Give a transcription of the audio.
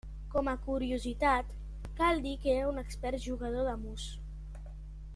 Com a curiositat, cal dir que era un expert jugador de mus.